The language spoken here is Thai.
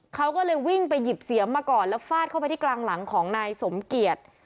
เขาก็เลยวิ่งไปหยิบเสียมมาก่อนแล้วฟาดเข้าไปที่กลางหลังของนายสมเกียจ